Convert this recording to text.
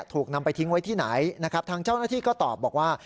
ถูกนำไปทิ้งไว้ที่ไหนนะครับทางเจ้าหน้าที่ก็ตอบบอกว่า